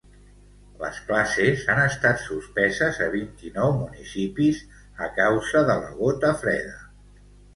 Les classes han estat suspeses a vint-i-nou municipis a causa de la gota freda.